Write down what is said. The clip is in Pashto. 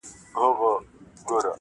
کوم انسان چي بل انسان په کاڼو ولي,